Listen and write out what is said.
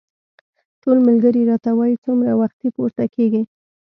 ټول ملګري راته وايي څومره وختي پورته کېږې.